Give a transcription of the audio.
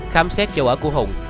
khám xét châu ở của hùng